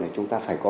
chúng ta phải có